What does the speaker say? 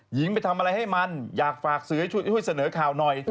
หญิงไปทำอะไรให้มันอยากฝากสื่อให้ช่วยเสนอข่าวหน่อย